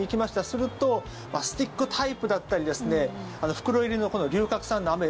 するとスティックタイプだったりですね袋入りの、この龍角散のアメ